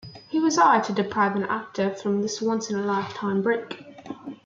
Who was I to deprive an actor of this once-in-a-lifetime break?